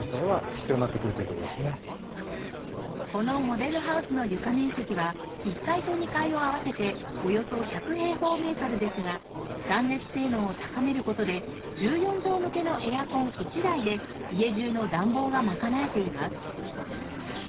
このモデルハウスの床面積は１階と２階を合わせておよそ１００平方メートルですが断熱性能を高める事で１４畳向けのエアコン１台で家中の暖房が賄えています。